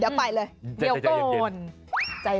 เดี๋ยวไปเลยเดี๋ยวก่อน